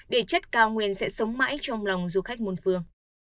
địa chất cao nguyên sẽ sống mãi trong lòng du khách môn phương